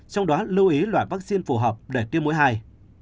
trong đó lưu ý loại vaccine phù hợp để tiêm mũi hai